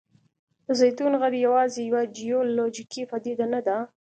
د زیتون غر یوازې یوه جیولوجیکي پدیده نه ده.